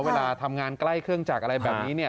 เวลาทำงานใกล้เครื่องจักรอะไรแบบนี้เนี่ย